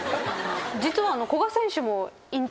実は。